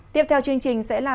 tiếp theo chương trình sẽ là